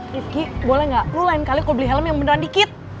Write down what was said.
rifki boleh nggak perlu lain kali kau beli helm yang beneran dikit